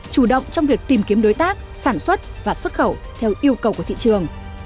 chủ động trong việc tìm kiếm đối tác sản xuất và xuất khẩu theo yêu cầu của thị trường